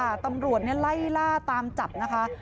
ธุรกิจตำรวจไล่ล่าตามจับนะเว้ย